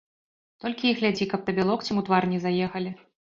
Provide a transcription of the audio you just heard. Толькі і глядзі, каб табе локцем ў твар не заехалі.